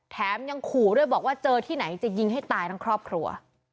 แถมยังขู่ด้วยบอกว่าเจอที่ไหนจะยิงให้ตายทั้งครอบครัว